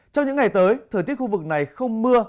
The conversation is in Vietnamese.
trong những ngày tới thời tiết khu vực này không mưa